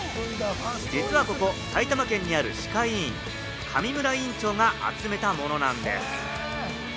実は、ここ埼玉県にある歯科医院、上村院長が集めたものなんです。